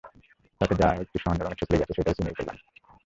তাতে যা-ও একটু সামান্য রঙের ছোপ লেগে আছে, সেটা চিলির কল্যাণেই।